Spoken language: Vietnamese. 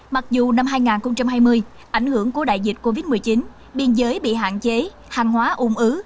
mặc dù năm hai nghìn hai mươi ảnh hưởng của đại dịch covid một mươi chín biên giới bị hạn chế hàng hóa ung ứ